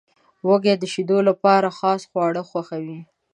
وزې د شیدو لپاره خاص خواړه خوښوي